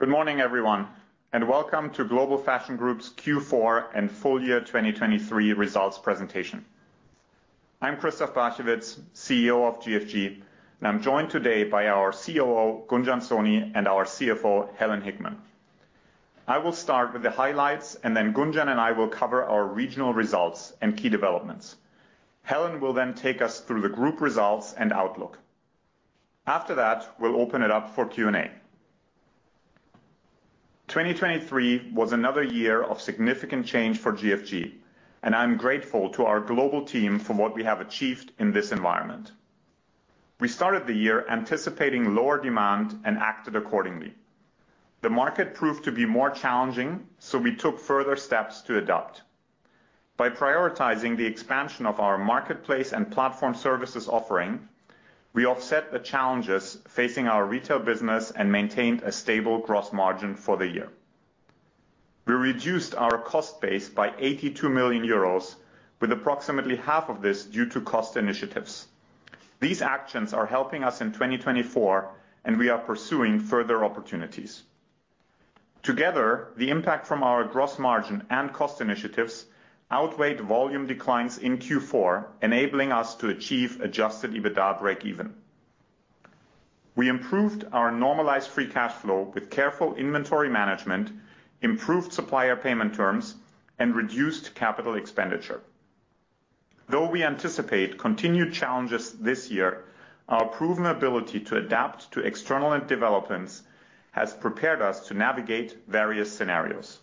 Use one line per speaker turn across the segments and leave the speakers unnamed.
Good morning, everyone, and welcome to Global Fashion Group's Q4 and full-year 2023 results presentation. I'm Christoph Barchewitz, CEO of GFG, and I'm joined today by our COO Gunjan Soni and our CFO Helen Hickman. I will start with the highlights, and then Gunjan and I will cover our regional results and key developments. Helen will then take us through the group results and outlook. After that, we'll open it up for Q&A. 2023 was another year of significant change for GFG, and I'm grateful to our global team for what we have achieved in this environment. We started the year anticipating lower demand and acted accordingly. The market proved to be more challenging, so we took further steps to adapt. By prioritizing the expansion of our marketplace and platform services offering, we offset the challenges facing our retail business and maintained a stable gross margin for the year. We reduced our cost base by 82 million euros, with approximately half of this due to cost initiatives. These actions are helping us in 2024, and we are pursuing further opportunities. Together, the impact from our gross margin and cost initiatives outweighed volume declines in Q4, enabling us to achieve Adjusted EBITDA break-even. We improved our Normalized Free Cash Flow with careful inventory management, improved supplier payment terms, and reduced capital expenditure. Though we anticipate continued challenges this year, our proven ability to adapt to external developments has prepared us to navigate various scenarios.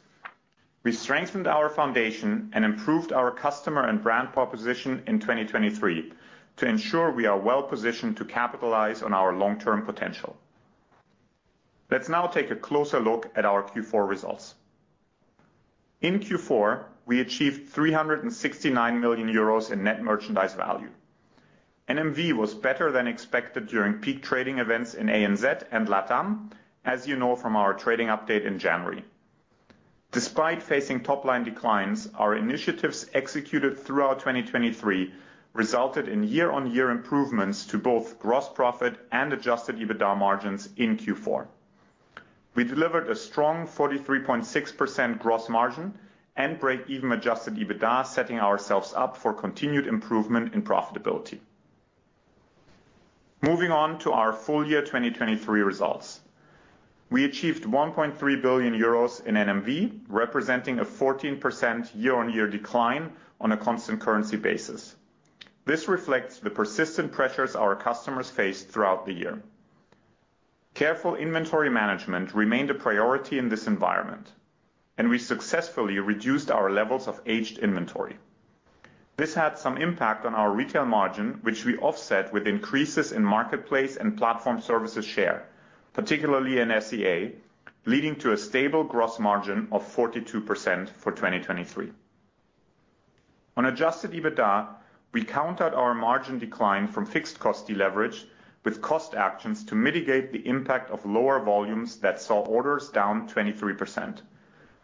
We strengthened our foundation and improved our customer and brand proposition in 2023 to ensure we are well-positioned to capitalize on our long-term potential. Let's now take a closer look at our Q4 results. In Q4, we achieved 369 million euros in Net Merchandise Value. NMV was better than expected during peak trading events in ANZ and LATAM, as you know from our trading update in January. Despite facing top-line declines, our initiatives executed throughout 2023 resulted in year-on-year improvements to both gross profit and Adjusted EBITDA margins in Q4. We delivered a strong 43.6% gross margin and break-even Adjusted EBITDA, setting ourselves up for continued improvement in profitability. Moving on to our full-year 2023 results. We achieved 1.3 billion euros in NMV, representing a 14% year-on-year decline on a constant currency basis. This reflects the persistent pressures our customers faced throughout the year. Careful inventory management remained a priority in this environment, and we successfully reduced our levels of aged inventory. This had some impact on our retail margin, which we offset with increases in marketplace and platform services share, particularly in SEA, leading to a stable gross margin of 42% for 2023. On Adjusted EBITDA, we countered our margin decline from fixed-cost deleverage with cost actions to mitigate the impact of lower volumes that saw orders down 23%.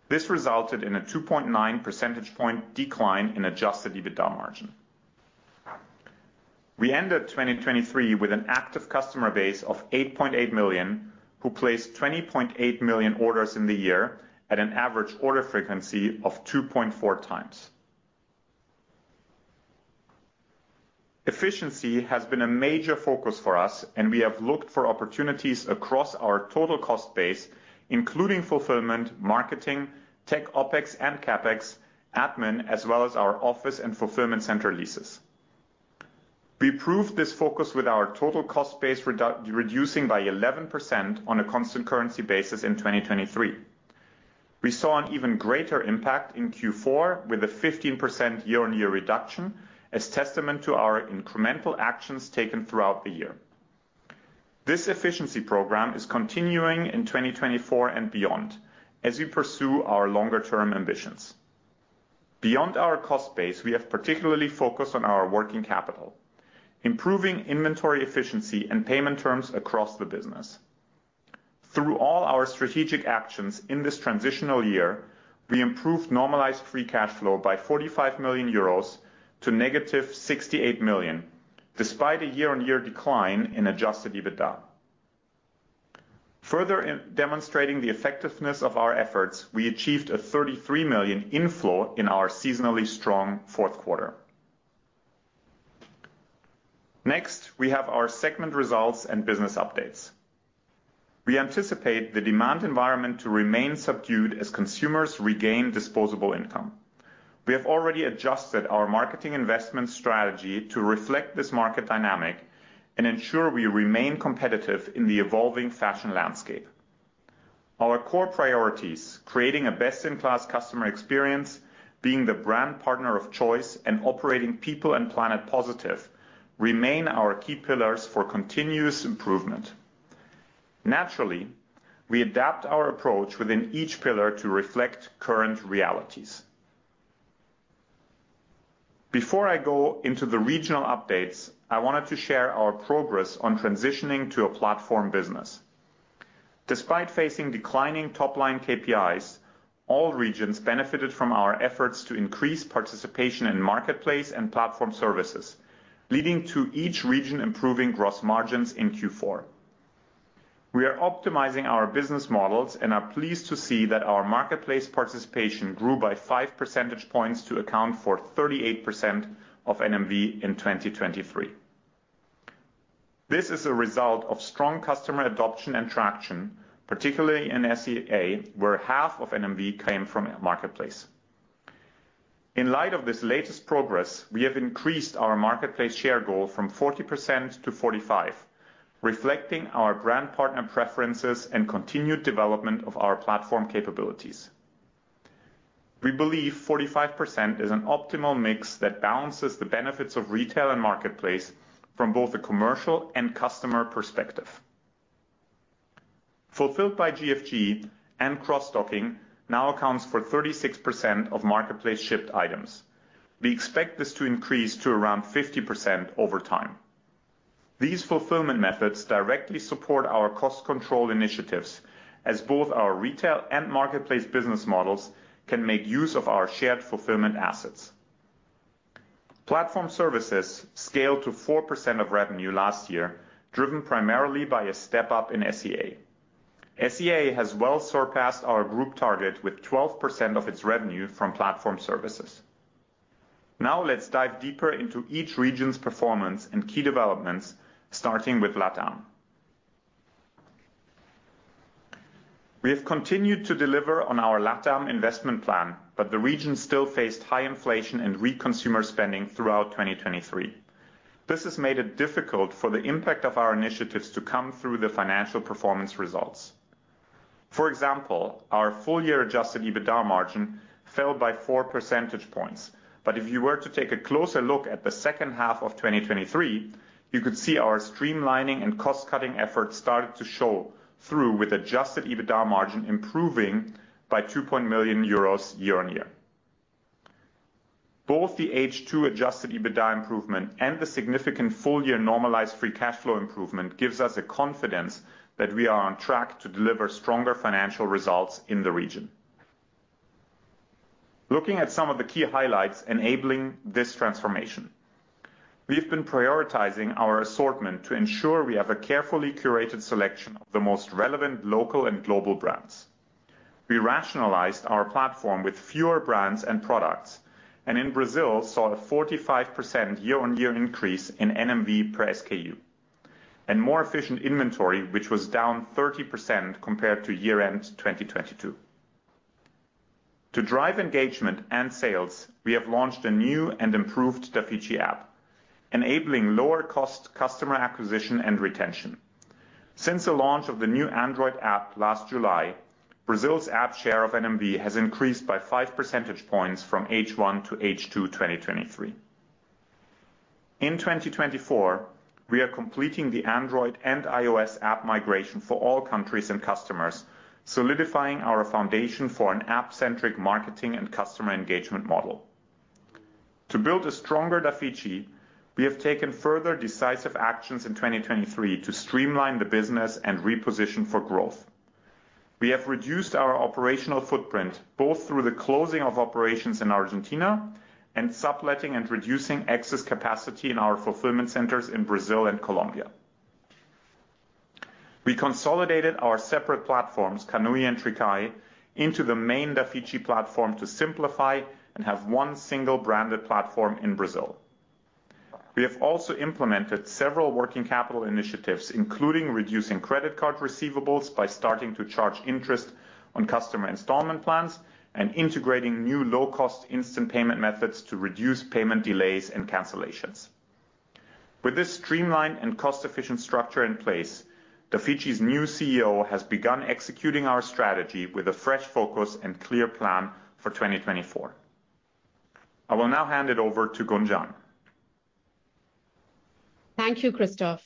This resulted in a 2.9 percentage point decline in Adjusted EBITDA margin. We ended 2023 with an active customer base of 8.8 million, who placed 20.8 million orders in the year at an average order frequency of 2.4x. Efficiency has been a major focus for us, and we have looked for opportunities across our total cost base, including fulfillment, marketing, tech OpEx and CapEx, admin, as well as our office and fulfillment center leases. We proved this focus with our total cost base reducing by 11% on a constant currency basis in 2023. We saw an even greater impact in Q4 with a 15% year-on-year reduction, as testament to our incremental actions taken throughout the year. This efficiency program is continuing in 2024 and beyond as we pursue our longer-term ambitions. Beyond our cost base, we have particularly focused on our working capital, improving inventory efficiency and payment terms across the business. Through all our strategic actions in this transitional year, we improved Normalized Free Cash Flow by 45 million euros to negative 68 million, despite a year-on-year decline in Adjusted EBITDA. Further demonstrating the effectiveness of our efforts, we achieved a 33 million inflow in our seasonally strong fourth quarter. Next, we have our segment results and business updates. We anticipate the demand environment to remain subdued as consumers regain disposable income. We have already adjusted our marketing investment strategy to reflect this market dynamic and ensure we remain competitive in the evolving fashion landscape. Our core priorities—creating a best-in-class customer experience, being the brand partner of choice, and operating people and planet positive—remain our key pillars for continuous improvement. Naturally, we adapt our approach within each pillar to reflect current realities. Before I go into the regional updates, I wanted to share our progress on transitioning to a platform business. Despite facing declining top-line KPIs, all regions benefited from our efforts to increase participation in marketplace and platform services, leading to each region improving gross margins in Q4. We are optimizing our business models and are pleased to see that our marketplace participation grew by 5 percentage points to account for 38% of NMV in 2023. This is a result of strong customer adoption and traction, particularly in SEA, where half of NMV came from marketplace. In light of this latest progress, we have increased our marketplace share goal from 40% to 45%, reflecting our brand partner preferences and continued development of our platform capabilities. We believe 45% is an optimal mix that balances the benefits of retail and marketplace from both a commercial and customer perspective. Fulfilled by GFG and cross-docking now accounts for 36% of marketplace-shipped items. We expect this to increase to around 50% over time. These fulfillment methods directly support our cost control initiatives, as both our retail and marketplace business models can make use of our shared fulfillment assets. Platform services scaled to 4% of revenue last year, driven primarily by a step-up in SEA. SEA has well surpassed our group target with 12% of its revenue from platform services. Now let's dive deeper into each region's performance and key developments, starting with LATAM. We have continued to deliver on our LATAM investment plan, but the region still faced high inflation and reduced consumer spending throughout 2023. This has made it difficult for the impact of our initiatives to come through the financial performance results. For example, our full-year Adjusted EBITDA margin fell by 4 percentage points, but if you were to take a closer look at the second half of 2023, you could see our streamlining and cost-cutting efforts started to show through, with Adjusted EBITDA margin improving by 2.0 million euros year-on-year. Both the H2 Adjusted EBITDA improvement and the significant full-year normalized free cash flow improvement give us a confidence that we are on track to deliver stronger financial results in the region. Looking at some of the key highlights enabling this transformation: We have been prioritizing our assortment to ensure we have a carefully curated selection of the most relevant local and global brands. We rationalized our platform with fewer brands and products, and in Brazil saw a 45% year-on-year increase in NMV per SKU, and more efficient inventory, which was down 30% compared to year-end 2022. To drive engagement and sales, we have launched a new and improved Dafiti app, enabling lower-cost customer acquisition and retention. Since the launch of the new Android app last July, Brazil's app share of NMV has increased by five percentage points from H1 to H2 2023. In 2024, we are completing the Android and iOS app migration for all countries and customers, solidifying our foundation for an app-centric marketing and customer engagement model. To build a stronger Dafiti, we have taken further decisive actions in 2023 to streamline the business and reposition for growth. We have reduced our operational footprint both through the closing of operations in Argentina and subletting and reducing excess capacity in our fulfillment centers in Brazil and Colombia. We consolidated our separate platforms, Kanui and Tricae, into the main Dafiti platform to simplify and have one single branded platform in Brazil. We have also implemented several working capital initiatives, including reducing credit card receivables by starting to charge interest on customer installment plans and integrating new low-cost instant payment methods to reduce payment delays and cancellations. With this streamlined and cost-efficient structure in place, Dafiti's new CEO has begun executing our strategy with a fresh focus and clear plan for 2024. I will now hand it over to Gunjan.
Thank you, Christoph.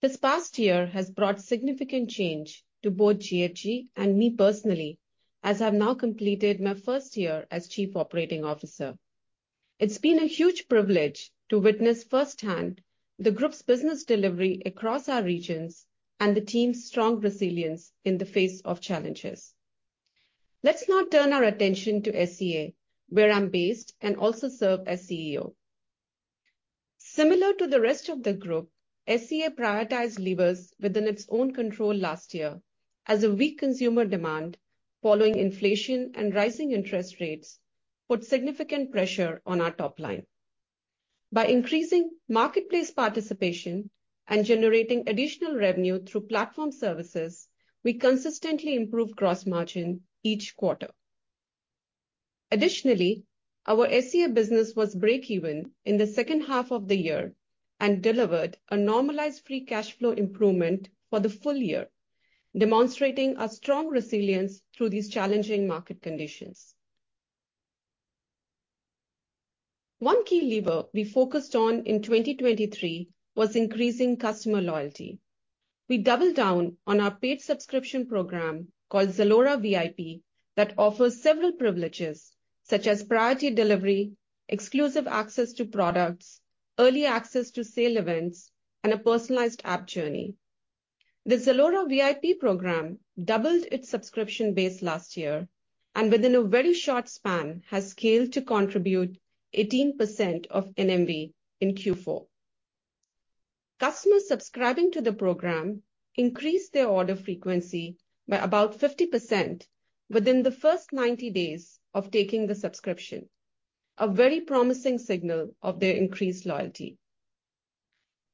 This past year has brought significant change to both GFG and me personally, as I've now completed my first year as Chief Operating Officer. It's been a huge privilege to witness firsthand the group's business delivery across our regions and the team's strong resilience in the face of challenges. Let's now turn our attention to SEA, where I'm based and also serve as CEO. Similar to the rest of the group, SEA prioritized levers within its own control last year, as a weak consumer demand, following inflation and rising interest rates, put significant pressure on our top line. By increasing marketplace participation and generating additional revenue through platform services, we consistently improved gross margin each quarter. Additionally, our SEA business was break-even in the second half of the year and delivered a normalized free cash flow improvement for the full year, demonstrating our strong resilience through these challenging market conditions. One key lever we focused on in 2023 was increasing customer loyalty. We doubled down on our paid subscription program called Zalora VIP that offers several privileges, such as priority delivery, exclusive access to products, early access to sale events, and a personalized app journey. The Zalora VIP program doubled its subscription base last year and, within a very short span, has scaled to contribute 18% of NMV in Q4. Customers subscribing to the program increased their order frequency by about 50% within the first 90 days of taking the subscription, a very promising signal of their increased loyalty.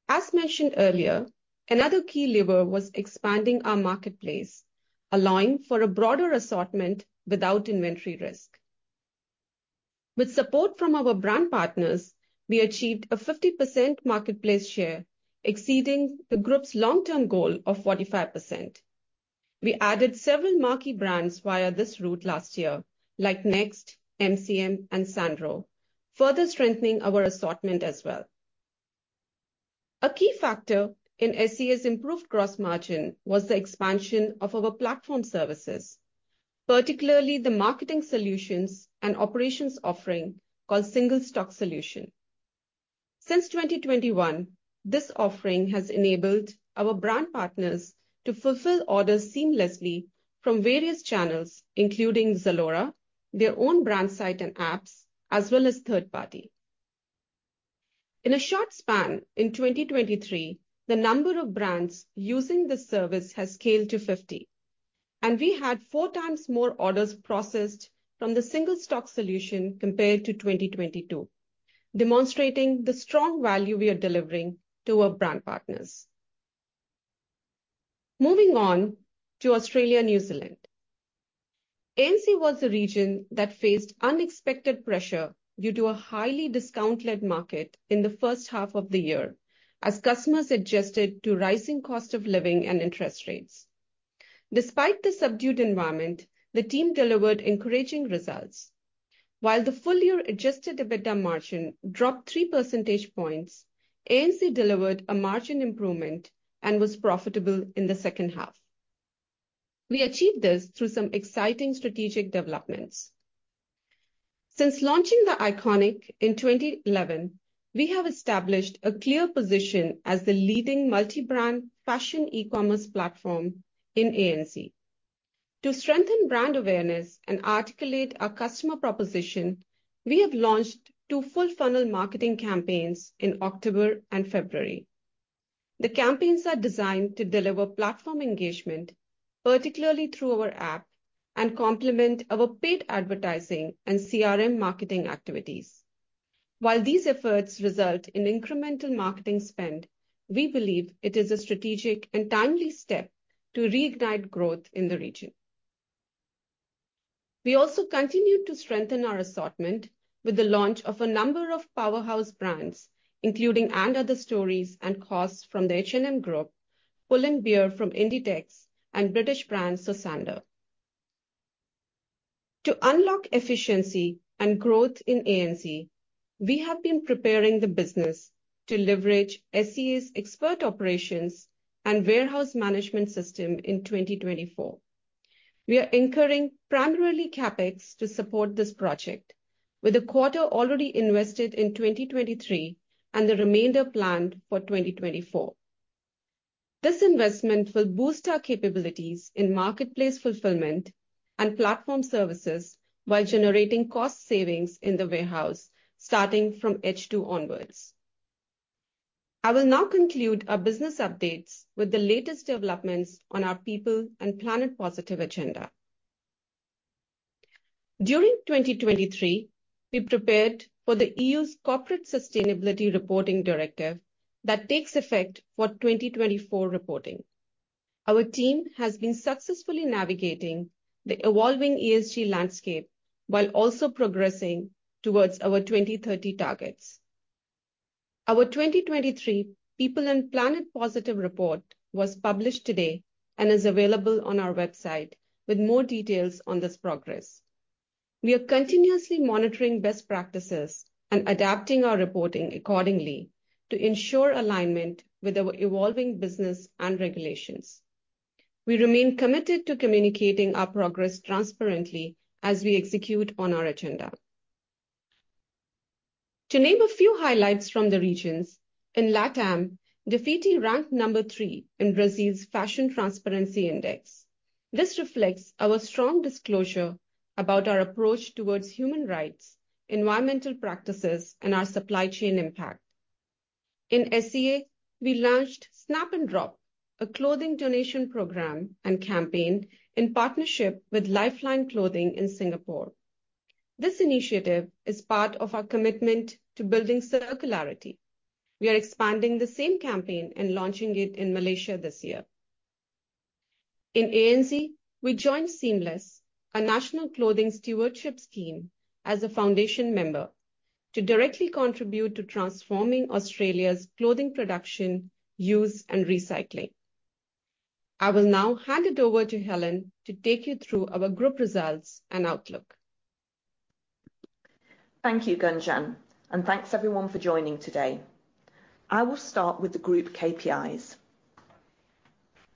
As mentioned earlier, another key lever was expanding our marketplace, allowing for a broader assortment without inventory risk. With support from our brand partners, we achieved a 50% marketplace share, exceeding the group's long-term goal of 45%. We added several marquee brands via this route last year, like Next, MCM, and Sandro, further strengthening our assortment as well. A key factor in SEA's improved gross margin was the expansion of our platform services, particularly the marketing solutions and operations offering called Single Stock Solution. Since 2021, this offering has enabled our brand partners to fulfill orders seamlessly from various channels, including Zalora, their own brand site and apps, as well as third-party. In a short span in 2023, the number of brands using this service has scaled to 50, and we had four times more orders processed from the Single Stock Solution compared to 2022, demonstrating the strong value we are delivering to our brand partners. Moving on to Australia and New Zealand. ANZ was a region that faced unexpected pressure due to a highly discount-led market in the first half of the year, as customers adjusted to rising cost of living and interest rates. Despite the subdued environment, the team delivered encouraging results. While the full-year Adjusted EBITDA margin dropped 3 percentage points, ANZ delivered a margin improvement and was profitable in the second half. We achieved this through some exciting strategic developments. Since launching The Iconic in 2011, we have established a clear position as the leading multi-brand fashion e-commerce platform in ANZ. To strengthen brand awareness and articulate our customer proposition, we have launched two full-funnel marketing campaigns in October and February. The campaigns are designed to deliver platform engagement, particularly through our app, and complement our paid advertising and CRM marketing activities. While these efforts result in incremental marketing spend, we believe it is a strategic and timely step to reignite growth in the region. We also continue to strengthen our assortment with the launch of a number of powerhouse brands, including & Other Stories and COS from the H&M Group, Pull&Bear from Inditex, and British brand Sosandar. To unlock efficiency and growth in ANZ, we have been preparing the business to leverage SEA's expert operations and warehouse management system in 2024. We are incurring primarily CapEx to support this project, with a quarter already invested in 2023 and the remainder planned for 2024. This investment will boost our capabilities in marketplace fulfillment and platform services while generating cost savings in the warehouse, starting from H2 onwards. I will now conclude our business updates with the latest developments on our People and Planet Positive agenda. During 2023, we prepared for the E.U.'s Corporate Sustainability Reporting Directive that takes effect for 2024 reporting. Our team has been successfully navigating the evolving ESG landscape while also progressing towards our 2030 targets. Our 2023 People and Planet Positive report was published today and is available on our website with more details on this progress. We are continuously monitoring best practices and adapting our reporting accordingly to ensure alignment with our evolving business and regulations. We remain committed to communicating our progress transparently as we execute on our agenda. To name a few highlights from the regions: In LATAM, Dafiti ranked Number 3 in Brazil's Fashion Transparency Index. This reflects our strong disclosure about our approach towards human rights, environmental practices, and our supply chain impact. In SEA, we launched Snap & Drop, a clothing donation program and campaign in partnership with Lifeline Clothing in Singapore. This initiative is part of our commitment to building circularity. We are expanding the same campaign and launching it in Malaysia this year. In ANZ, we joined Seamless, a national clothing stewardship scheme as a foundation member, to directly contribute to transforming Australia's clothing production, use, and recycling. I will now hand it over to Helen to take you through our group results and outlook.
Thank you, Gunjan, and thanks everyone for joining today. I will start with the group KPIs.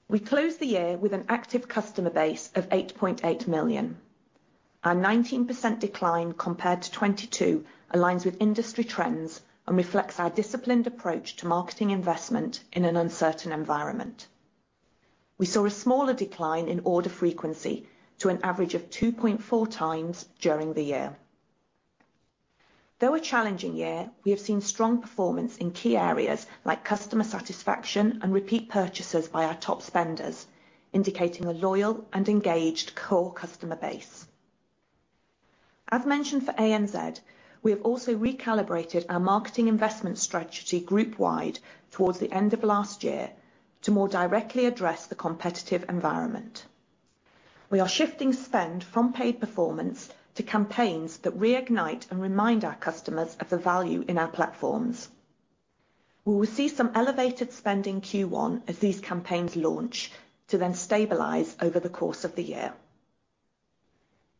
We closed the year with an active customer base of 8.8 million. Our 19% decline compared to 2022 aligns with industry trends and reflects our disciplined approach to marketing investment in an uncertain environment. We saw a smaller decline in order frequency to an average of 2.4x during the year. Though a challenging year, we have seen strong performance in key areas like customer satisfaction and repeat purchases by our top spenders, indicating a loyal and engaged core customer base. As mentioned for ANZ, we have also recalibrated our marketing investment strategy group-wide towards the end of last year to more directly address the competitive environment. We are shifting spend from paid performance to campaigns that reignite and remind our customers of the value in our platforms. We will see some elevated spend in Q1 as these campaigns launch to then stabilize over the course of the year.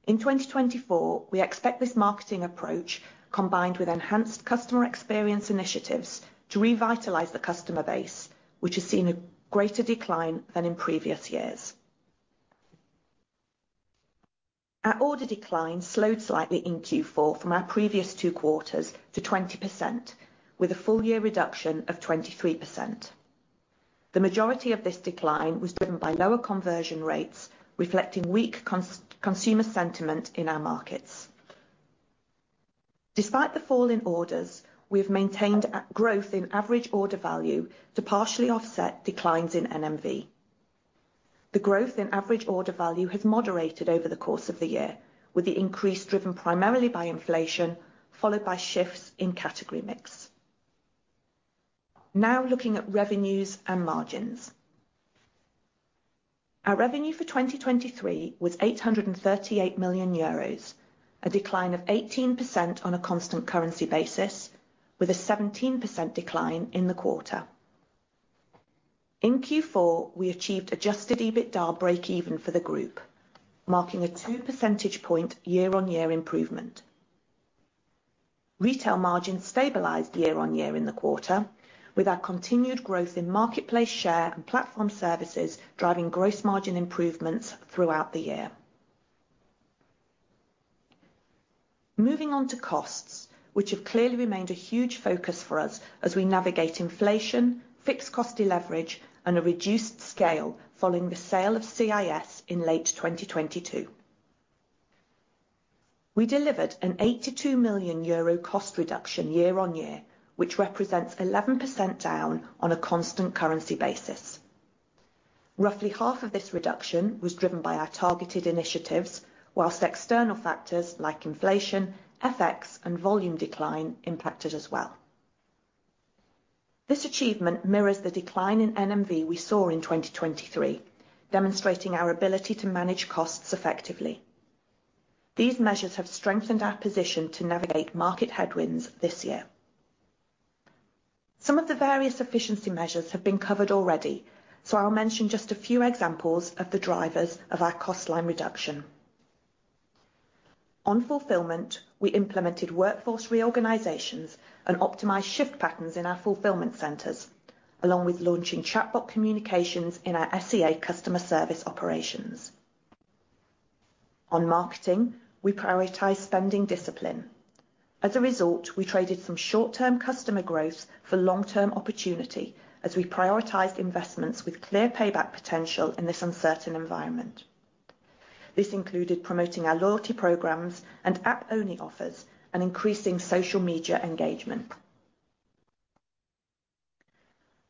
In 2024, we expect this marketing approach, combined with enhanced customer experience initiatives, to revitalize the customer base, which has seen a greater decline than in previous years. Our order decline slowed slightly in Q4 from our previous two quarters to 20%, with a full-year reduction of 23%. The majority of this decline was driven by lower conversion rates, reflecting weak consumer sentiment in our markets. Despite the fall in orders, we have maintained growth in average order value to partially offset declines in NMV. The growth in average order value has moderated over the course of the year, with the increase driven primarily by inflation, followed by shifts in category mix. Now looking at revenues and margins. Our revenue for 2023 was 838 million euros, a decline of 18% on a constant currency basis, with a 17% decline in the quarter. In Q4, we achieved Adjusted EBITDA break-even for the group, marking a 2 percentage point year-on-year improvement. Retail margins stabilized year-on-year in the quarter, with our continued growth in marketplace share and platform services driving gross margin improvements throughout the year. Moving on to costs, which have clearly remained a huge focus for us as we navigate inflation, fixed-cost deleverage, and a reduced scale following the sale of CIS in late 2022. We delivered an 82 million euro cost reduction year-on-year, which represents 11% down on a constant currency basis. Roughly half of this reduction was driven by our targeted initiatives, while external factors like inflation, FX, and volume decline impacted as well. This achievement mirrors the decline in NMV we saw in 2023, demonstrating our ability to manage costs effectively. These measures have strengthened our position to navigate market headwinds this year. Some of the various efficiency measures have been covered already, so I'll mention just a few examples of the drivers of our cost line reduction. On fulfillment, we implemented workforce reorganizations and optimized shift patterns in our fulfillment centers, along with launching chatbot communications in our SEA customer service operations. On marketing, we prioritized spending discipline. As a result, we traded some short-term customer growth for long-term opportunity as we prioritized investments with clear payback potential in this uncertain environment. This included promoting our loyalty programs and app-only offers and increasing social media engagement.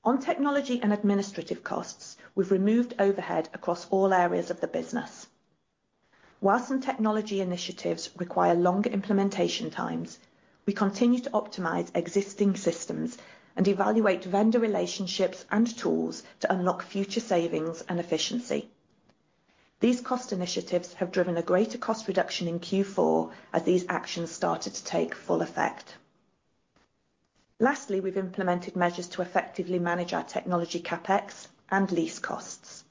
On technology and administrative costs, we've removed overhead across all areas of the business. While some technology initiatives require longer implementation times, we continue to optimize existing systems and evaluate vendor relationships and tools to unlock future savings and efficiency. These cost initiatives have driven a greater cost reduction in Q4 as these actions started to take full effect. Lastly, we've implemented measures to effectively manage our technology CapEx and lease costs.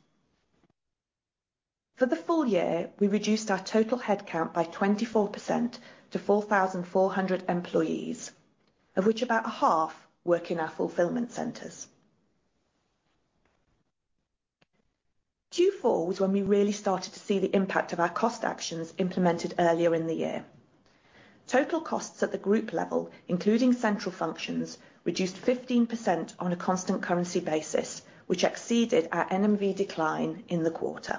For the full year, we reduced our total headcount by 24% to 4,400 employees, of which about half work in our fulfillment centers. Q4 was when we really started to see the impact of our cost actions implemented earlier in the year. Total costs at the group level, including central functions, reduced 15% on a constant currency basis, which exceeded our NMV decline in the quarter.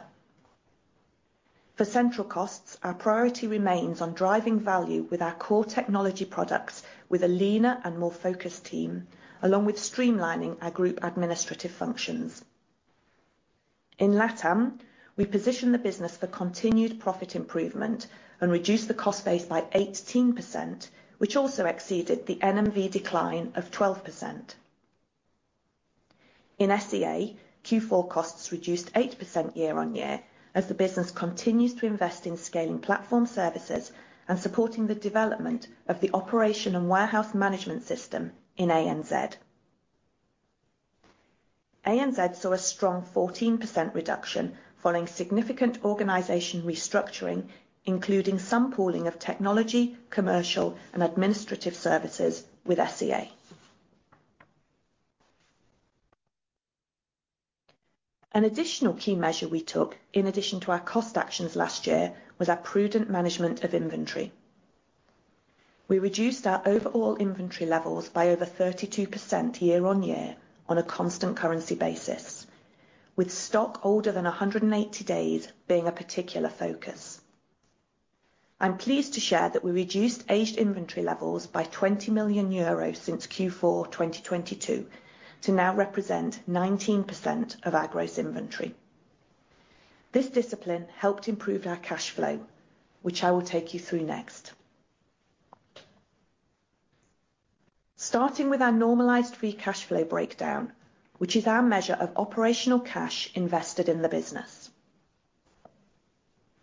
For central costs, our priority remains on driving value with our core technology products with a leaner and more focused team, along with streamlining our group administrative functions. In LATAM, we position the business for continued profit improvement and reduced the cost base by 18%, which also exceeded the NMV decline of 12%. In SEA, Q4 costs reduced 8% year-on-year as the business continues to invest in scaling platform services and supporting the development of the operation and warehouse management system in ANZ. ANZ saw a strong 14% reduction following significant organization restructuring, including some pooling of technology, commercial, and administrative services with SEA. An additional key measure we took, in addition to our cost actions last year, was our prudent management of inventory. We reduced our overall inventory levels by over 32% year-on-year on a constant currency basis, with stock older than 180 days being a particular focus. I'm pleased to share that we reduced aged inventory levels by 20 million euros since Q4 2022 to now represent 19% of GFG's inventory. This discipline helped improve our cash flow, which I will take you through next. Starting with our Normalized Free Cash Flow breakdown, which is our measure of operational cash invested in the business.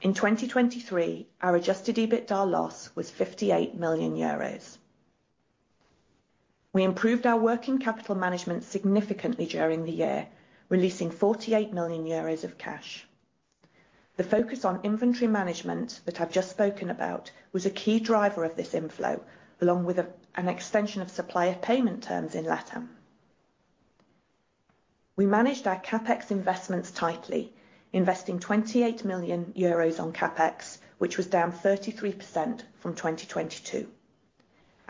In 2023, our Adjusted EBITDA loss was 58 million euros. We improved our working capital management significantly during the year, releasing 48 million euros of cash. The focus on inventory management that I've just spoken about was a key driver of this inflow, along with an extension of supplier payment terms in LATAM. We managed our CapEx investments tightly, investing 28 million euros on CapEx, which was down 33% from 2022.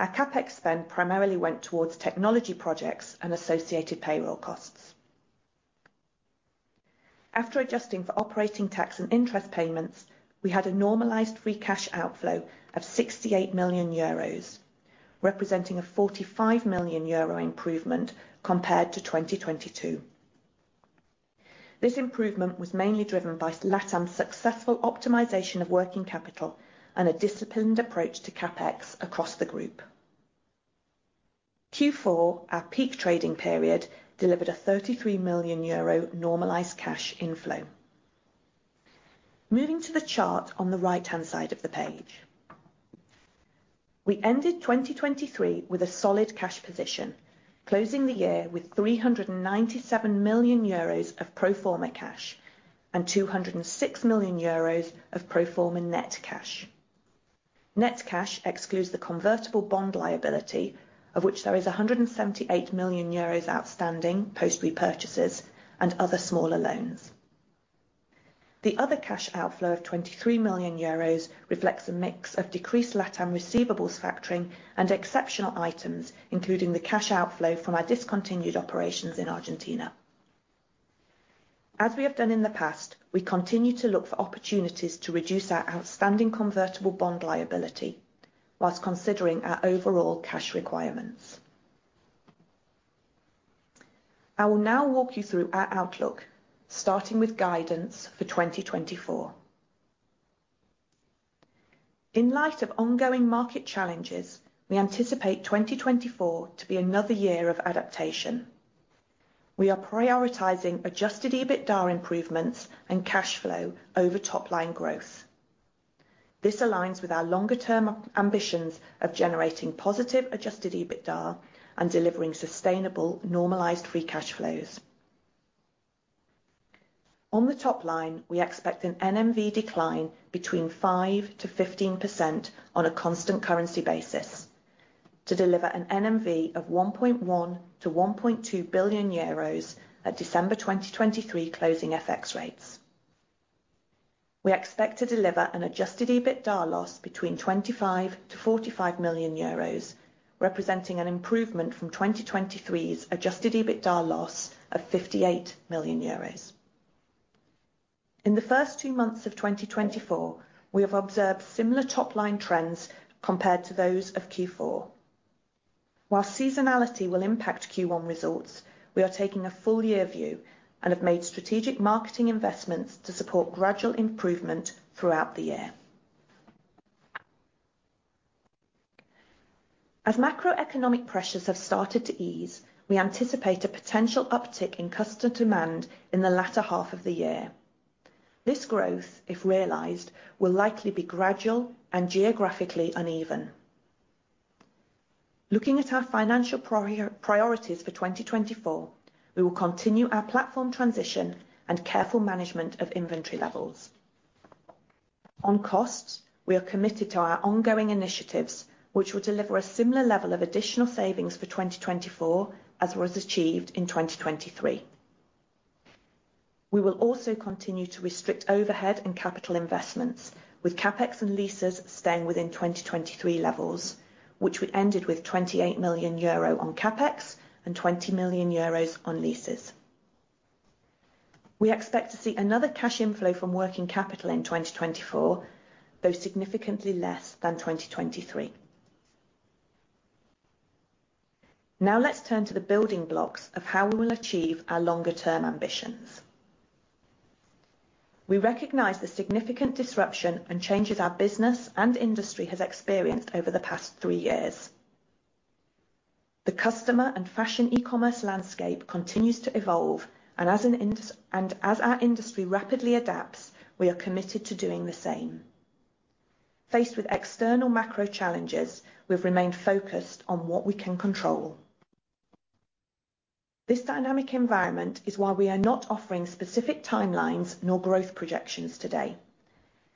Our CapEx spend primarily went towards technology projects and associated payroll costs. After adjusting for operating tax and interest payments, we had a normalized free cash outflow of 68 million euros, representing a 45 million euro improvement compared to 2022. This improvement was mainly driven by LATAM's successful optimization of working capital and a disciplined approach to CapEx across the group. Q4, our peak trading period, delivered a 33 million euro normalized cash inflow. Moving to the chart on the right-hand side of the page. We ended 2023 with a solid cash position, closing the year with 397 million euros of pro forma cash and 206 million euros of pro forma net cash. Net cash excludes the convertible bond liability, of which there is 178 million euros outstanding post-repurchases and other smaller loans. The other cash outflow of 23 million euros reflects a mix of decreased LATAM receivables factoring and exceptional items, including the cash outflow from our discontinued operations in Argentina. As we have done in the past, we continue to look for opportunities to reduce our outstanding convertible bond liability while considering our overall cash requirements. I will now walk you through our outlook, starting with guidance for 2024. In light of ongoing market challenges, we anticipate 2024 to be another year of adaptation. We are prioritizing Adjusted EBITDA improvements and cash flow over top-line growth. This aligns with our longer-term ambitions of generating positive Adjusted EBITDA and delivering sustainable normalized free cash flows. On the top line, we expect an NMV decline between 5%-15% on a constant currency basis to deliver an NMV of 1.1-1.2 billion euros at December 2023 closing FX rates. We expect to deliver an Adjusted EBITDA loss between 25-45 million euros, representing an improvement from 2023's Adjusted EBITDA loss of 58 million euros. In the first two months of 2024, we have observed similar top-line trends compared to those of Q4. While seasonality will impact Q1 results, we are taking a full-year view and have made strategic marketing investments to support gradual improvement throughout the year. As macroeconomic pressures have started to ease, we anticipate a potential uptick in customer demand in the latter half of the year. This growth, if realized, will likely be gradual and geographically uneven. Looking at our financial priorities for 2024, we will continue our platform transition and careful management of inventory levels. On costs, we are committed to our ongoing initiatives, which will deliver a similar level of additional savings for 2024 as was achieved in 2023. We will also continue to restrict overhead and capital investments, with CapEx and leases staying within 2023 levels, which we ended with 28 million euro on CapEx and 20 million euros on leases. We expect to see another cash inflow from working capital in 2024, though significantly less than 2023. Now let's turn to the building blocks of how we will achieve our longer-term ambitions. We recognize the significant disruption and changes our business and industry has experienced over the past three years. The customer and fashion e-commerce landscape continues to evolve, and as our industry rapidly adapts, we are committed to doing the same. Faced with external macro challenges, we've remained focused on what we can control. This dynamic environment is why we are not offering specific timelines nor growth projections today.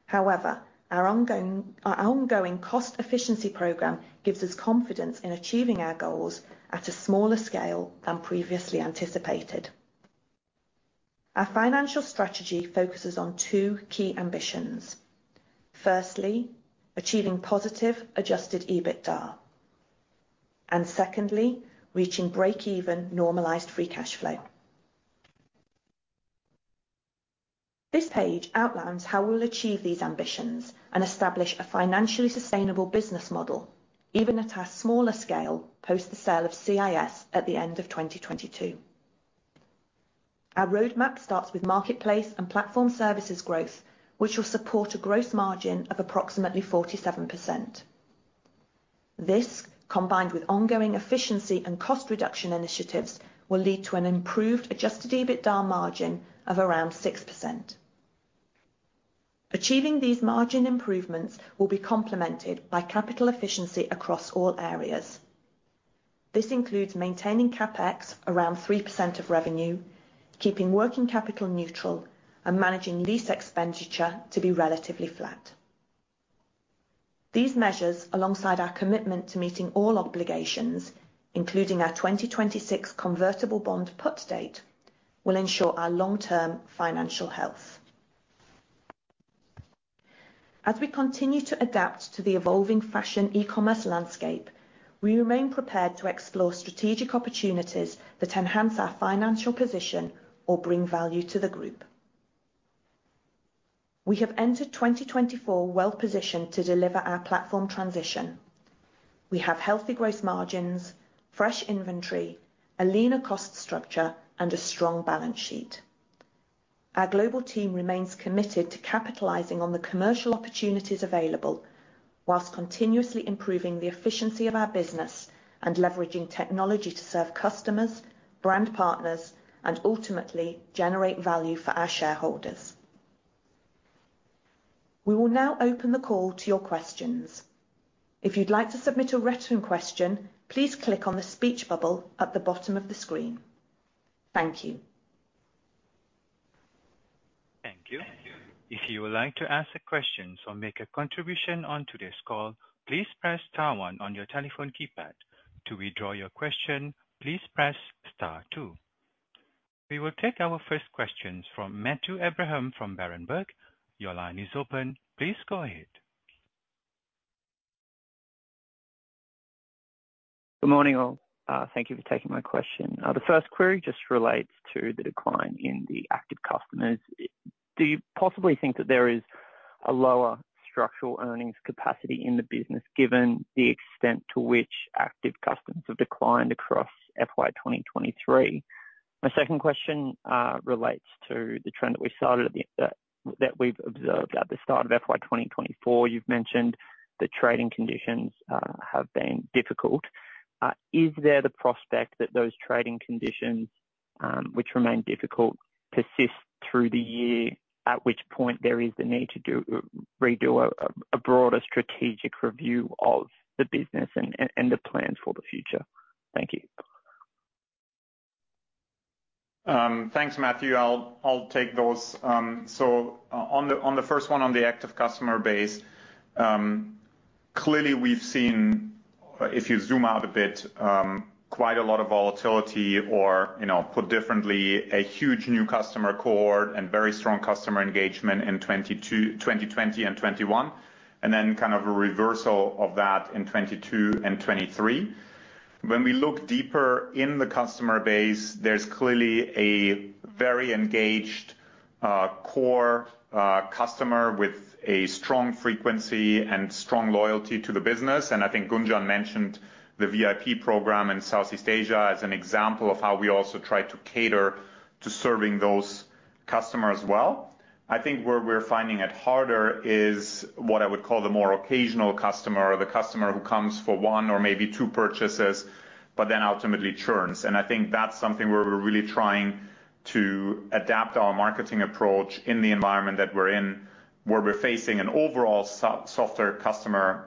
However, our ongoing cost efficiency program gives us confidence in achieving our goals at a smaller scale than previously anticipated. Our financial strategy focuses on two key ambitions. Firstly, achieving positive Adjusted EBITDA, and secondly, reaching break-even Normalized Free Cash Flow. This page outlines how we will achieve these ambitions and establish a financially sustainable business model, even at our smaller scale post the sale of CIS at the end of 2022. Our roadmap starts with Marketplace and Platform Services growth, which will support a gross margin of approximately 47%. This, combined with ongoing efficiency and cost reduction initiatives, will lead to an improved Adjusted EBITDA margin of around 6%. Achieving these margin improvements will be complemented by capital efficiency across all areas. This includes maintaining CapEx around 3% of revenue, keeping working capital neutral, and managing lease expenditure to be relatively flat. These measures, alongside our commitment to meeting all obligations, including our 2026 Convertible Bond put date, will ensure our long-term financial health. As we continue to adapt to the evolving fashion e-commerce landscape, we remain prepared to explore strategic opportunities that enhance our financial position or bring value to the group. We have entered 2024 well-positioned to deliver our platform transition. We have healthy gross margins, fresh inventory, a leaner cost structure, and a strong balance sheet. Our global team remains committed to capitalizing on the commercial opportunities available while continuously improving the efficiency of our business and leveraging technology to serve customers, brand partners, and ultimately generate value for our shareholders. We will now open the call to your questions. If you'd like to submit a written question, please click on the speech bubble at the bottom of the screen. Thank you.
Thank you. If you would like to ask a question or make a contribution on today's call, please press star one on your telephone keypad. To withdraw your question, please press star two. We will take our first questions from Matthew Abraham from Berenberg. Your line is open. Please go ahead.
Good morning, all. Thank you for taking my question. The first query just relates to the decline in the active customers. Do you possibly think that there is a lower structural earnings capacity in the business given the extent to which active customers have declined across FY 2023? My second question relates to the trend that we've observed at the start of FY 2024. You've mentioned that trading conditions have been difficult. Is there the prospect that those trading conditions, which remain difficult, persist through the year, at which point there is the need to redo a broader strategic review of the business and the plans for the future? Thank you.
Thanks, Matthew. I'll take those. So on the first one, on the active customer base, clearly we've seen, if you zoom out a bit, quite a lot of volatility or, put differently, a huge new customer core and very strong customer engagement in 2020 and 2021, and then kind of a reversal of that in 2022 and 2023. When we look deeper in the customer base, there's clearly a very engaged core customer with a strong frequency and strong loyalty to the business. And I think Gunjan mentioned the VIP program in Southeast Asia as an example of how we also try to cater to serving those customers well. I think where we're finding it harder is what I would call the more occasional customer, the customer who comes for one or maybe two purchases but then ultimately churns. I think that's something where we're really trying to adapt our marketing approach in the environment that we're in, where we're facing an overall softer customer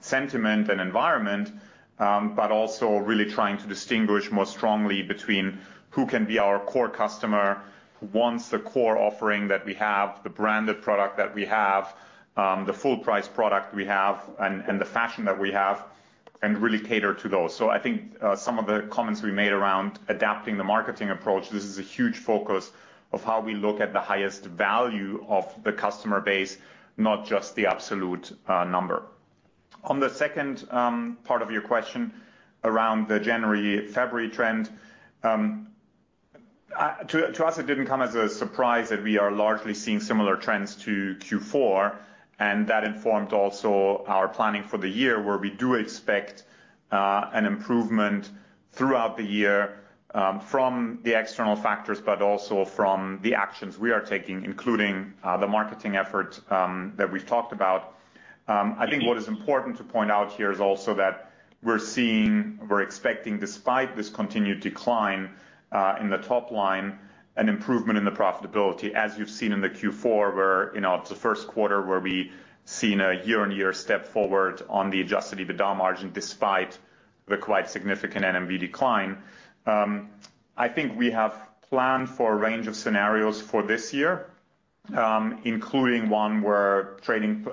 sentiment and environment, but also really trying to distinguish more strongly between who can be our core customer, who wants the core offering that we have, the branded product that we have, the full-price product we have, and the fashion that we have, and really cater to those. I think some of the comments we made around adapting the marketing approach, this is a huge focus of how we look at the highest value of the customer base, not just the absolute number. On the second part of your question around the January-February trend, to us, it didn't come as a surprise that we are largely seeing similar trends to Q4, and that informed also our planning for the year, where we do expect an improvement throughout the year from the external factors but also from the actions we are taking, including the marketing efforts that we've talked about. I think what is important to point out here is also that we're expecting, despite this continued decline in the top line, an improvement in the profitability, as you've seen in the Q4, where it's the first quarter where we've seen a year-on-year step forward on the Adjusted EBITDA margin despite the quite significant NMV decline. I think we have planned for a range of scenarios for this year, including one where trading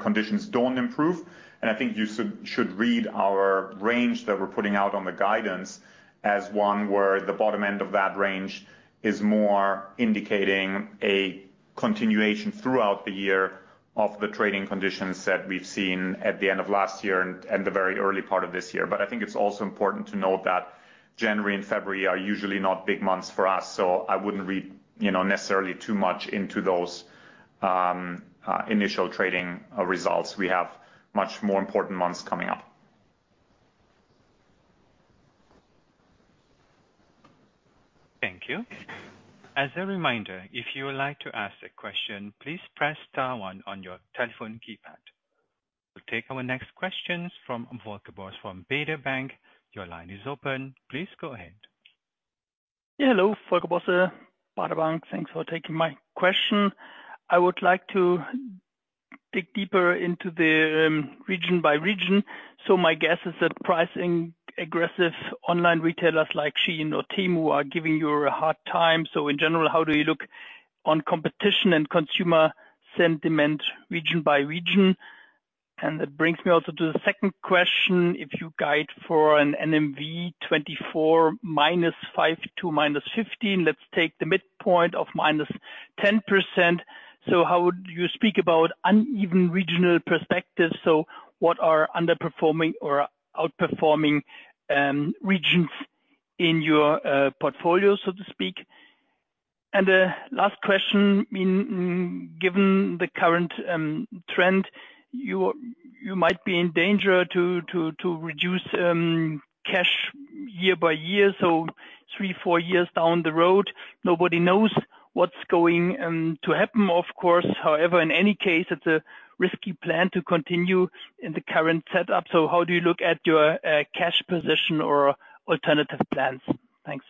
conditions don't improve. I think you should read our range that we're putting out on the guidance as one where the bottom end of that range is more indicating a continuation throughout the year of the trading conditions that we've seen at the end of last year and the very early part of this year. I think it's also important to note that January and February are usually not big months for us, so I wouldn't read necessarily too much into those initial trading results. We have much more important months coming up.
Thank you. As a reminder, if you would like to ask a question, please press star one on your telephone keypad. We'll take our next questions from Volker Bosse from Baader Bank. Your line is open. Please go ahead.
Hello, Volker Bosse, Baader Bank. Thanks for taking my question. I would like to dig deeper into the region by region. So my guess is that pricing aggressive online retailers like Shein or Temu are giving you a hard time. So in general, how do you look on competition and consumer sentiment region by region? And that brings me also to the second question. If you guide for an NMV 2024 -5% to -15%, let's take the midpoint of -10%. So how would you speak about uneven regional perspectives? So what are underperforming or outperforming regions in your portfolio, so to speak? And the last question, given the current trend, you might be in danger to reduce cash year by year. So three, four years down the road, nobody knows what's going to happen, of course. However, in any case, it's a risky plan to continue in the current setup. So how do you look at your cash position or alternative plans? Thanks.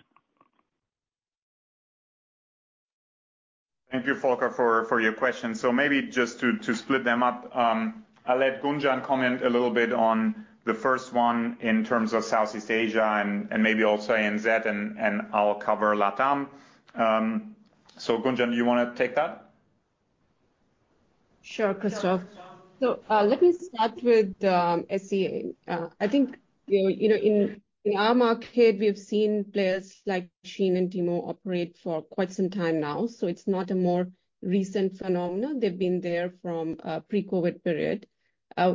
Thank you, Volker, for your question. So maybe just to split them up, I'll let Gunjan comment a little bit on the first one in terms of Southeast Asia and maybe also ANZ, and I'll cover LATAM. So Gunjan, do you want to take that?
Sure, Christoph. So let me start with SEA. I think in our market, we have seen players like Shein and Temu operate for quite some time now. So it's not a more recent phenomenon. They've been there from a pre-COVID period.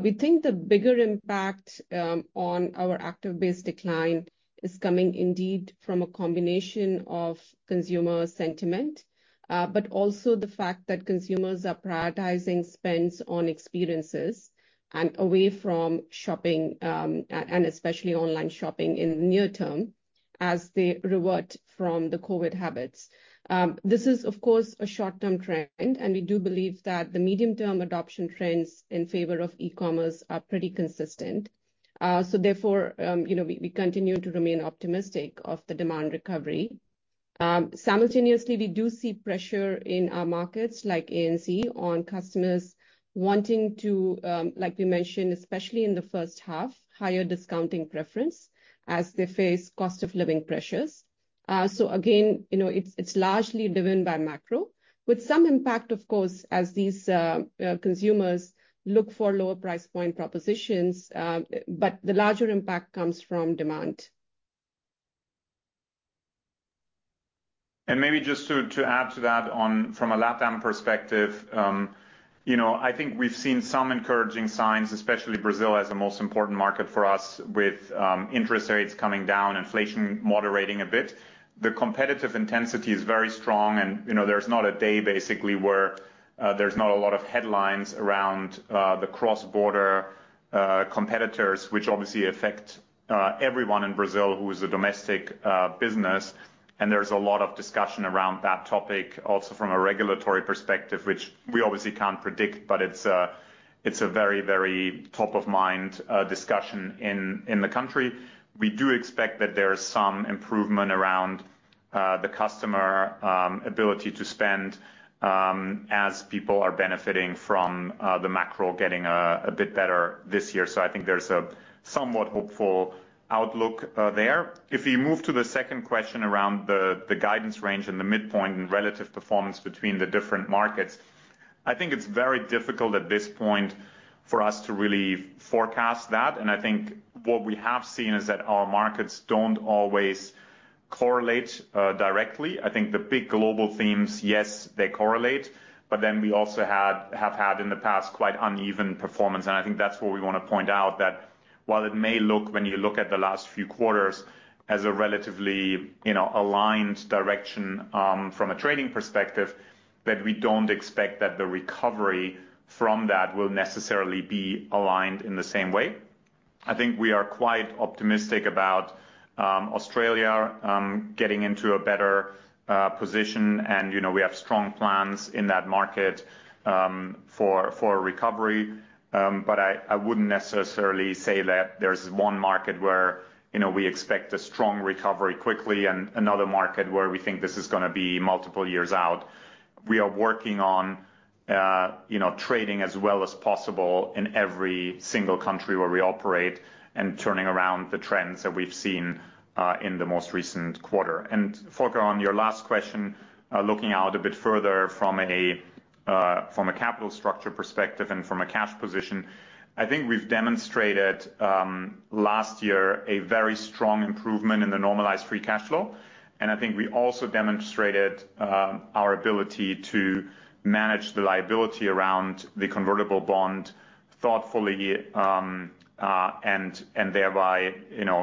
We think the bigger impact on our active base decline is coming indeed from a combination of consumer sentiment, but also the fact that consumers are prioritizing spends on experiences and away from shopping, and especially online shopping in the near term as they revert from the COVID habits. This is, of course, a short-term trend, and we do believe that the medium-term adoption trends in favor of e-commerce are pretty consistent. So therefore, we continue to remain optimistic of the demand recovery. Simultaneously, we do see pressure in our markets like ANZ on customers wanting to, like we mentioned, especially in the first half, higher discounting preference as they face cost-of-living pressures. So again, it's largely driven by macro, with some impact, of course, as these consumers look for lower price point propositions, but the larger impact comes from demand.
Maybe just to add to that from a LATAM perspective, I think we've seen some encouraging signs, especially Brazil as the most important market for us, with interest rates coming down, inflation moderating a bit. The competitive intensity is very strong, and there's not a day, basically, where there's not a lot of headlines around the cross-border competitors, which obviously affect everyone in Brazil who is a domestic business. There's a lot of discussion around that topic also from a regulatory perspective, which we obviously can't predict, but it's a very, very top-of-mind discussion in the country. We do expect that there's some improvement around the customer ability to spend as people are benefiting from the macro getting a bit better this year. I think there's a somewhat hopeful outlook there. If you move to the second question around the guidance range and the midpoint and relative performance between the different markets, I think it's very difficult at this point for us to really forecast that. I think what we have seen is that our markets don't always correlate directly. I think the big global themes, yes, they correlate, but then we also have had in the past quite uneven performance. I think that's where we want to point out that while it may look, when you look at the last few quarters, as a relatively aligned direction from a trading perspective, that we don't expect that the recovery from that will necessarily be aligned in the same way. I think we are quite optimistic about Australia getting into a better position, and we have strong plans in that market for recovery. But I wouldn't necessarily say that there's one market where we expect a strong recovery quickly and another market where we think this is going to be multiple years out. We are working on trading as well as possible in every single country where we operate and turning around the trends that we've seen in the most recent quarter. And Volker, on your last question, looking out a bit further from a capital structure perspective and from a cash position, I think we've demonstrated last year a very strong improvement in the normalized free cash flow. And I think we also demonstrated our ability to manage the liability around the convertible bond thoughtfully and thereby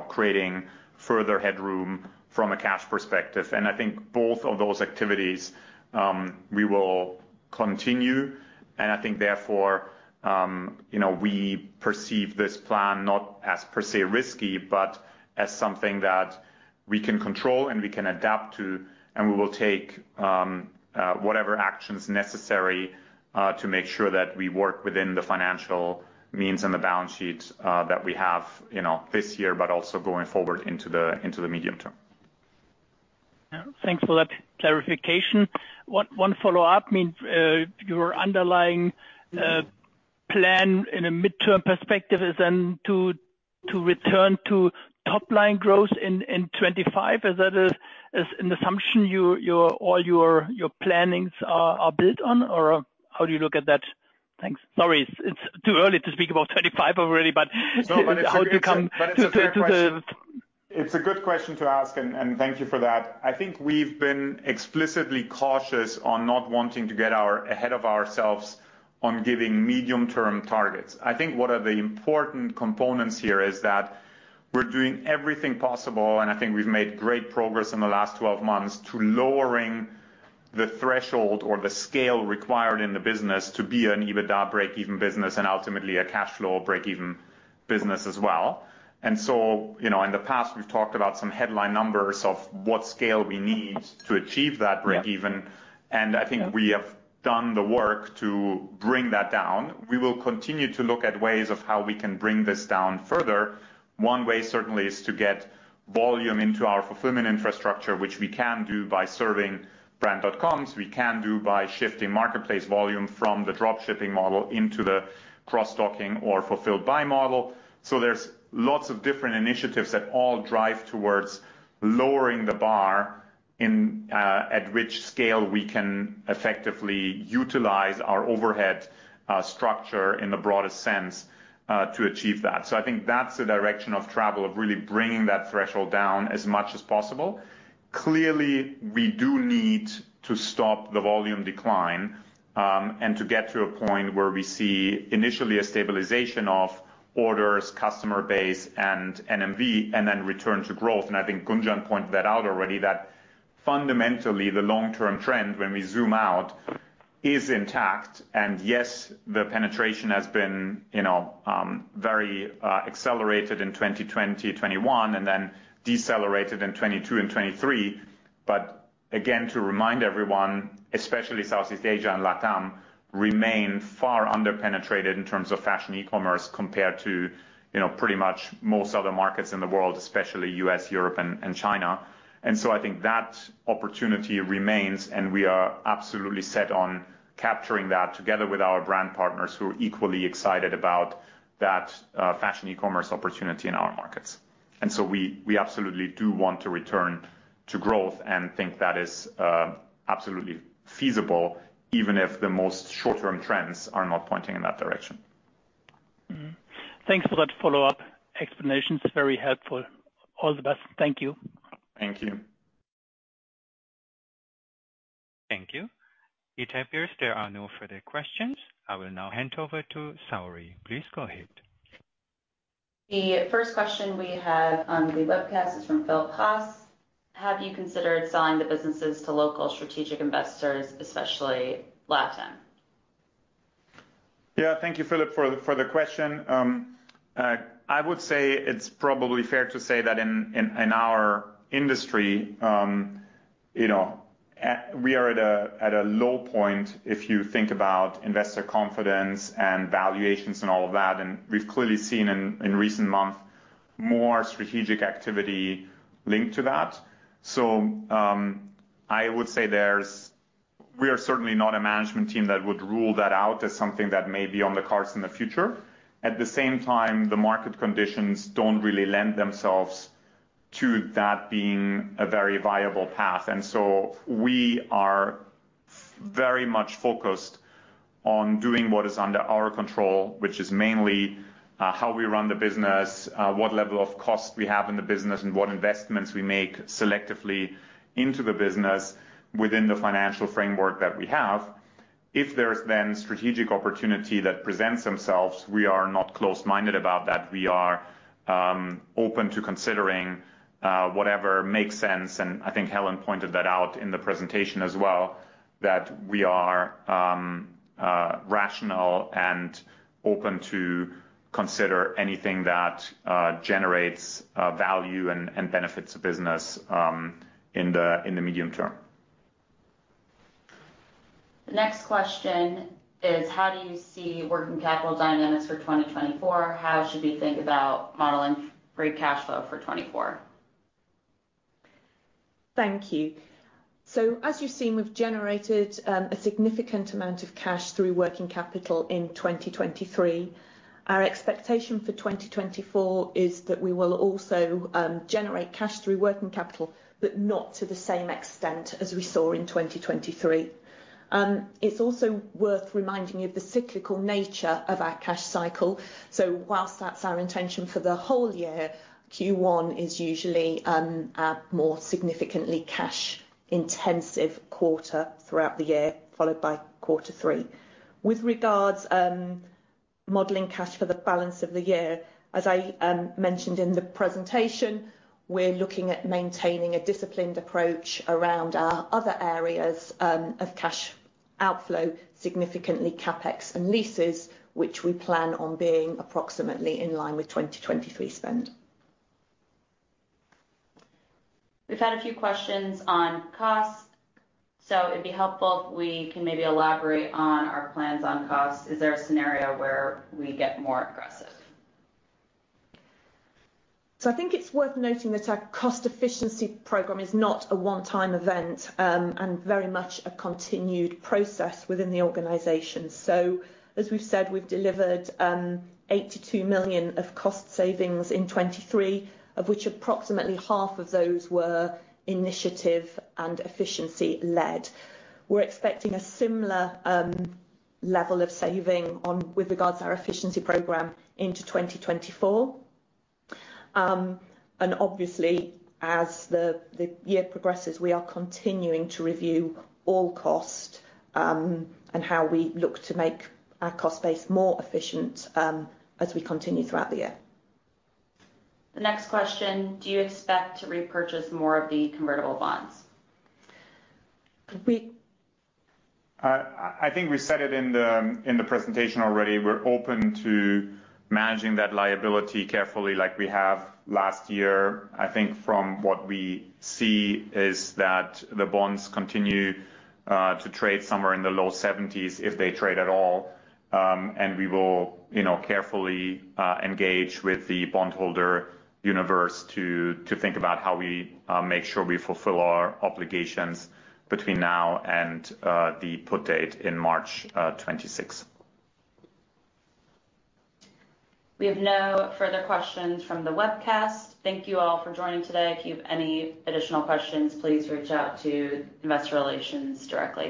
creating further headroom from a cash perspective. And I think both of those activities, we will continue. I think, therefore, we perceive this plan not as per se risky, but as something that we can control and we can adapt to, and we will take whatever actions necessary to make sure that we work within the financial means and the balance sheet that we have this year, but also going forward into the medium term.
Thanks for that clarification. One follow-up. I mean, your underlying plan in a midterm perspective is then to return to top-line growth in 2025. Is that an assumption all your plannings are built on, or how do you look at that? Thanks. Sorry, it's too early to speak about 2025 already, but how do you come to the?
It's a good question to ask, and thank you for that. I think we've been explicitly cautious on not wanting to get ahead of ourselves on giving medium-term targets. I think what are the important components here is that we're doing everything possible, and I think we've made great progress in the last 12 months to lowering the threshold or the scale required in the business to be an EBITDA breakeven business and ultimately a cash flow breakeven business as well. And so in the past, we've talked about some headline numbers of what scale we need to achieve that breakeven, and I think we have done the work to bring that down. We will continue to look at ways of how we can bring this down further. One way, certainly, is to get volume into our fulfillment infrastructure, which we can do by serving brand.coms. We can do by shifting marketplace volume from the dropshipping model into the cross-docking or fulfilled-by model. So there's lots of different initiatives that all drive towards lowering the bar at which scale we can effectively utilize our overhead structure in the broadest sense to achieve that. So I think that's the direction of travel, of really bringing that threshold down as much as possible. Clearly, we do need to stop the volume decline and to get to a point where we see initially a stabilization of orders, customer base, and NMV, and then return to growth. And I think Gunjan pointed that out already, that fundamentally, the long-term trend, when we zoom out, is intact. And yes, the penetration has been very accelerated in 2020, 2021, and then decelerated in 2022 and 2023. But again, to remind everyone, especially Southeast Asia and LATAM, remain far under-penetrated in terms of fashion e-commerce compared to pretty much most other markets in the world, especially U.S., Europe, and China. And so I think that opportunity remains, and we are absolutely set on capturing that together with our brand partners who are equally excited about that fashion e-commerce opportunity in our markets. And so we absolutely do want to return to growth and think that is absolutely feasible, even if the most short-term trends are not pointing in that direction.
Thanks for that follow-up explanation. It's very helpful. All the best. Thank you.
Thank you.
Thank you. It appears there are no further questions. I will now hand over to Saori. Please go ahead.
The first question we have on the webcast is from Philipp Haas. Have you considered selling the businesses to local strategic investors, especially LATAM?
Yeah. Thank you, Philip, for the question. I would say it's probably fair to say that in our industry, we are at a low point if you think about investor confidence and valuations and all of that. And we've clearly seen in recent months more strategic activity linked to that. So I would say we are certainly not a management team that would rule that out as something that may be on the cards in the future. At the same time, the market conditions don't really lend themselves to that being a very viable path. And so we are very much focused on doing what is under our control, which is mainly how we run the business, what level of cost we have in the business, and what investments we make selectively into the business within the financial framework that we have. If there's then strategic opportunity that presents themselves, we are not close-minded about that. We are open to considering whatever makes sense. And I think Helen pointed that out in the presentation as well, that we are rational and open to consider anything that generates value and benefits the business in the medium term.
The next question is, how do you see working capital dynamics for 2024? How should we think about modeling free cash flow for 2024?
Thank you. So as you've seen, we've generated a significant amount of cash through working capital in 2023. Our expectation for 2024 is that we will also generate cash through working capital, but not to the same extent as we saw in 2023. It's also worth reminding you of the cyclical nature of our cash cycle. So while that's our intention for the whole year, Q1 is usually a more significantly cash-intensive quarter throughout the year, followed by Q3. With regards to modeling cash for the balance of the year, as I mentioned in the presentation, we're looking at maintaining a disciplined approach around our other areas of cash outflow, significantly CapEx and leases, which we plan on being approximately in line with 2023 spend.
We've had a few questions on costs. So it'd be helpful if we can maybe elaborate on our plans on costs. Is there a scenario where we get more aggressive?
So I think it's worth noting that our cost efficiency program is not a one-time event and very much a continued process within the organization. So as we've said, we've delivered 82 million of cost savings in 2023, of which approximately half of those were initiative and efficiency-led. We're expecting a similar level of saving with regards to our efficiency program into 2024. And obviously, as the year progresses, we are continuing to review all costs and how we look to make our cost base more efficient as we continue throughout the year.
The next question, do you expect to repurchase more of the convertible bonds?
I think we said it in the presentation already. We're open to managing that liability carefully like we have last year. I think from what we see is that the bonds continue to trade somewhere in the low 70s if they trade at all. We will carefully engage with the bondholder universe to think about how we make sure we fulfill our obligations between now and the put date in March 2026.
We have no further questions from the webcast. Thank you all for joining today. If you have any additional questions, please reach out to investor relations directly.